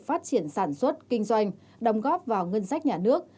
phát triển sản xuất kinh doanh đồng góp vào ngân sách nhà nước